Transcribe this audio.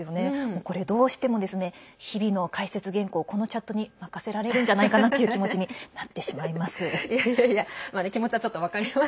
これ、どうしても日々の解説原稿、このチャットに任せられるんじゃないかなという気持ちになってしまいます。